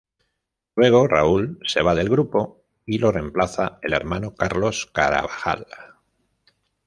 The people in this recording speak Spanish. Luego Raúl se va del grupo y lo reemplaza el hermano Carlos Carabajal.